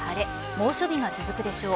猛暑日が続くでしょう。